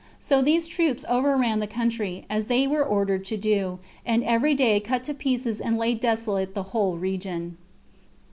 So these troops overran the country, as they were ordered to do, and every day cut to pieces and laid desolate the whole region.